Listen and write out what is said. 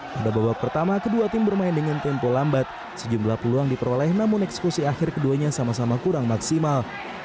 pada babak pertama kedua tim bermain dengan tempo lambat sejumlah peluang diperoleh namun eksekusi akhir keduanya sama sama kurang maksimal